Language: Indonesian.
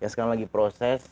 sekarang lagi proses